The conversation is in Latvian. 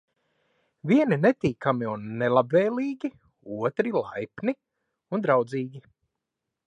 Vieni netīkami un nelabvēlīgi, otri laipni un draudzīgi.